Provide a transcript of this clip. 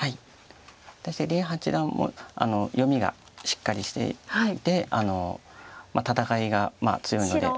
対して林八段も読みがしっかりしていて戦いが強いので。